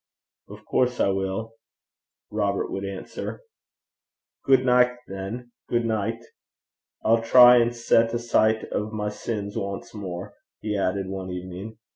'Of coorse I will,' Robert would answer. 'Gude nicht, than, gude nicht. I'll try and get a sicht o' my sins ance mair,' he added, one evening.